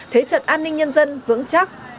thế trận an ninh nhân dân vững chắc